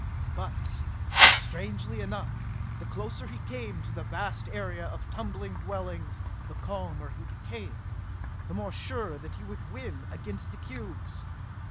But strangely enough, the closer he came to the vast area of tumbling dwellings the calmer he became, the more sure that he would win against the cubes.